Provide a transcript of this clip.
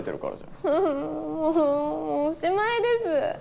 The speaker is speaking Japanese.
んんもうおしまいです。